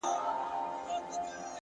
پوه انسان د پوښتنې له ارزښته خبر وي!.